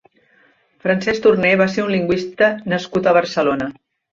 Francesc Torner va ser un lingüista nascut a Barcelona.